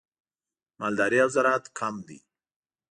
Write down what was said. مالداري او زراعت کم دي.